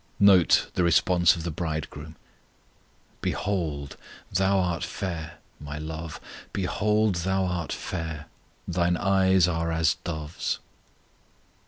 Note the response of the Bridegroom: Behold, thou art fair, My love; behold, thou art fair; Thine eyes are as dove's.